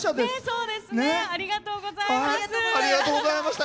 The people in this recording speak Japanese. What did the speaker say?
そうですねありがとうございます。